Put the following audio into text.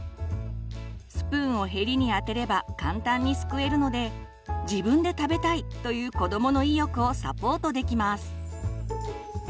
スプーンをヘリに当てれば簡単にすくえるので「自分で食べたい」という子どもの意欲をサポートできます。